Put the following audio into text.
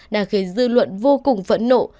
đã khiến dư luận vô cùng phẫn nộ